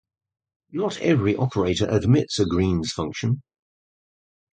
Not every operator admits a Green's function.